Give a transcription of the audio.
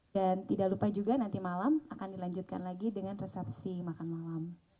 dan tidak lupa juga nanti malam akan dilanjutkan lagi dengan resepsi makan malam